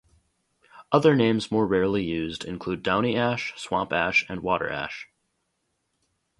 Other names more rarely used include downy ash, swamp ash and water ash.